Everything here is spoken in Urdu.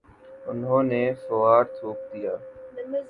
انہوں نے فورا تھوک دیا ۔